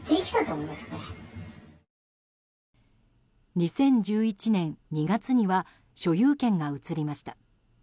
２０１１年２月には所有権が移りました。